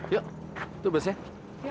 yuk itu busnya